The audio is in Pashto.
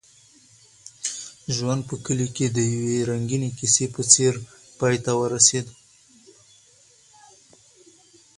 ژوند په کلي کې د یوې رنګینې کیسې په څېر پای ته ورسېد.